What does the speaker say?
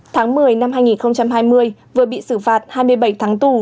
tháng một mươi năm hai nghìn hai mươi vừa bị xử phạt hai mươi bảy tháng tù